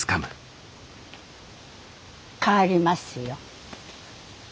帰りますよ。